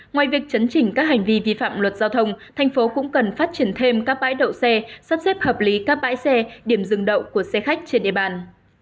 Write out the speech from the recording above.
ngoài việc chấn chỉnh các hành vi vi phạm luật giao thông thành phố cũng cần phát triển thêm các bãi đậu xe sắp xếp hợp lý các bãi xe điểm dừng đậu của xe khách trên địa bàn